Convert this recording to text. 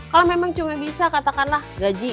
kalau memang cuma bisa katakanlah gaji